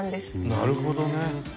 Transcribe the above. なるほどね。